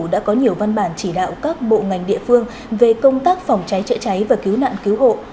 đã có nhiều văn bản chỉ đạo các bộ ngành địa phương về công tác phòng cháy chữa cháy và cứu nạn cứu hộ